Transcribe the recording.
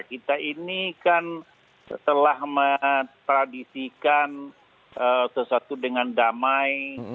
kita ini kan setelah metradisikan sesuatu dengan damai